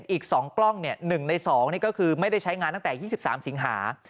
อีก๒กล้อง๑ใน๒นี่ก็คือไม่ได้ใช้งานตั้งแต่๒๓สิงหา